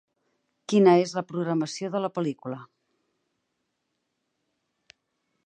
Quina és la programació de la pel·lícula